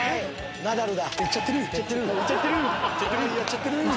ナダルだ！